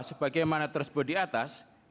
sebagaimana tersebut di atas